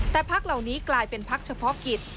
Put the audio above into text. แต่พักเหล่านี้กลายเป็นพักเฉพาะกิจ